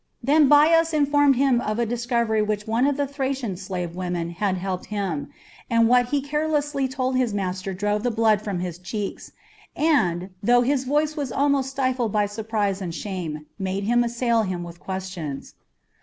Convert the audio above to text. Then Bias informed him of a discovery to which one of the Thracian's slave women had helped him, and what he carelessly told his master drove the blood from his cheeks, and, though his voice was almost stifled by surprise and shame, made him assail him with questions.